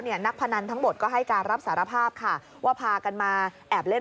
นักพนันทั้งหมดก็ให้การรับสารภาพค่ะว่าพากันมาแอบเล่น